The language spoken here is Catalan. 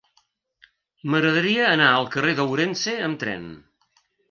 M'agradaria anar al carrer d'Ourense amb tren.